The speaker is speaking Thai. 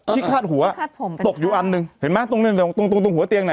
ที่คาดหัวคาดผมตกอยู่อันหนึ่งเห็นไหมตรงตรงตรงตรงหัวเตียงน่ะ